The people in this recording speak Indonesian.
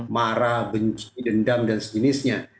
marah benci dendam dan sejenisnya